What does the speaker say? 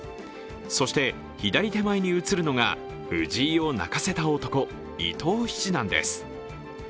そして、左手前に写るのが藤井を泣かせた男、伊藤七段です。